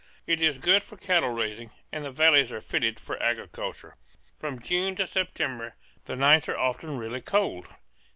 It is good for cattle raising, and the valleys are fitted for agriculture. From June to September the nights are often really cold.